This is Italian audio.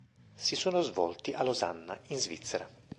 Si sono svolti a Losanna, in Svizzera.